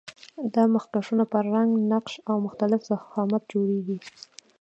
دا مخکشونه په رنګ، نقش او مختلف ضخامت جوړیږي.